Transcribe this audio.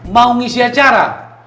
mau ngisi acara